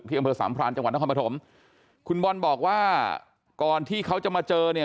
อำเภอสามพรานจังหวัดนครปฐมคุณบอลบอกว่าก่อนที่เขาจะมาเจอเนี่ย